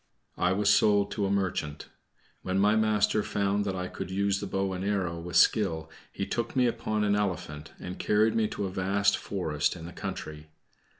I was sold to a merchant. When my master found that I could use the bow and arrow with skill, he took me upon an elephant, and carried me to a vast forest in the country.